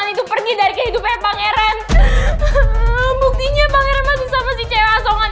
itu pergi dari kehidupan pangeran